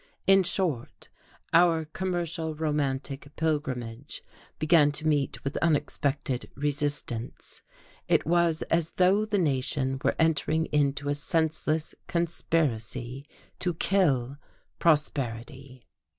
In short, our commercial romantic pilgrimage began to meet with unexpected resistance. It was as though the nation were entering into a senseless conspiracy to kill prosperity.